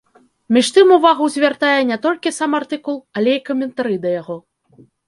Між тым увагу звяртае не толькі сам артыкул, але і каментары да яго.